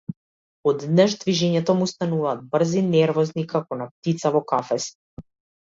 Одеднаш движењата му стануваат брзи, нервозни, како на птица во кафез.